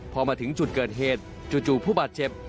พอมาถึงจุดเกิดเหตุจู่ผู้บาดเจ็บ